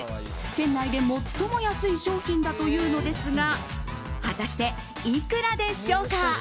店内で最も安い商品だというのですが果たして、いくらでしょうか。